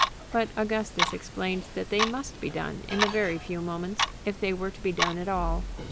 But Augustus explained that they must be done in a very few moments, if they were to be done at all.